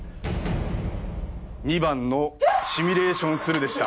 ２番の「シミュレーションする」でした。